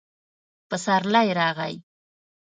پسرلی راغلی